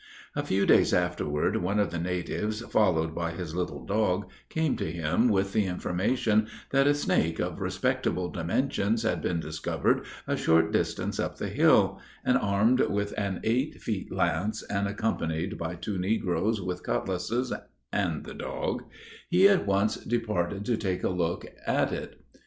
A few days afterward one of the natives, followed by his little dog, came to him with the information that a snake of respectable dimensions had been discovered a short distance up the hill; and armed with an eight feet lance, and accompanied by two negroes with cutlasses and the dog, he at once started to take a look at it.